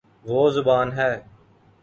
وہ زبا ن ہے